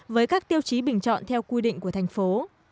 với các tiêu chí bình chọn theo quy định của thành phố